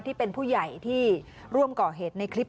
ที่เป็นผู้ใหญ่ที่ร่วมก่อเหตุในคลิป